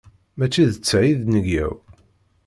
Mačči d ta i d nneyya-w.